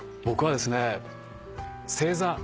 僕はですね正座。